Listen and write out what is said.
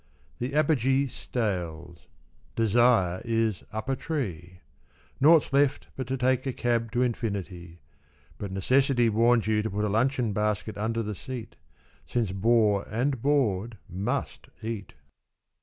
The apogee Stales. Desire is " up a tree." Nought's left ]:)ut to take a cab to infinity, But Necessity Warns you to put a luncheon basket under the seat Since bore and bored must eat.